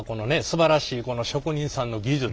すばらしいこの職人さんの技術。